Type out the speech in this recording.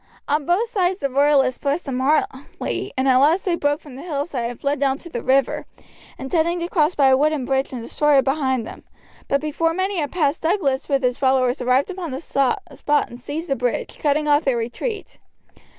On both sides the royalists pressed them hotly, and at last they broke from the hillside and fled down to the river, intending to cross by a wooden bridge and destroy it behind them, but before many had passed Douglas with his followers arrived upon the spot and seized the bridge, cutting off their retreat.